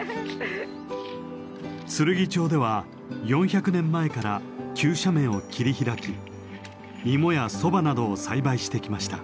つるぎ町では４００年前から急斜面を切り開き芋やソバなどを栽培してきました。